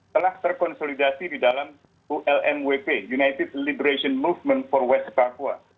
telah terkonsolidasi di dalam ulmwp united liberation movement for west papua